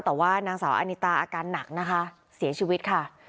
แต่ว่านางสาวอานิตาอาการหนักนะคะเสียชีวิตค่ะ